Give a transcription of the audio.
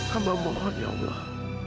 hamba mohon ya allah